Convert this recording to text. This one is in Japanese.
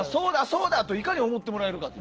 そうだ！といかに思ってもらえるかと。